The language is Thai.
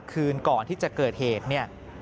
คืนก่อนที่จะเกิดเหตุเนี่ย